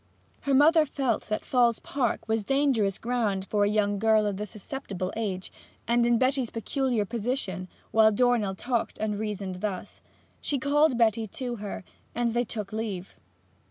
Her mother felt that Falls Park was dangerous ground for a young girl of the susceptible age, and in Betty's peculiar position, while Dornell talked and reasoned thus. She called Betty to her, and they took leave.